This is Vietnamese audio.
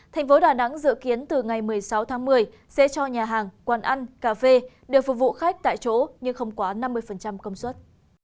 thành phố đà nẵng dự kiến từ ngày một mươi sáu tháng một mươi sẽ cho nhà hàng quán ăn cà phê đều phục vụ khách tại chỗ nhưng không quá năm mươi công suất